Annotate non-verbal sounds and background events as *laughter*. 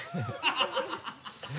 ハハハ *laughs*